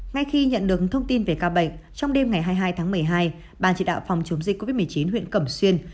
ngay khi nhận được thông tin về ca bệnh trong đêm ngày hai mươi hai tháng một mươi hai ban chỉ đạo phòng chống dịch covid một mươi chín huyện cẩm xuyên